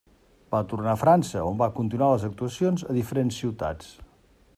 Va tornar a França, on va continuar les actuacions a diferents ciutats.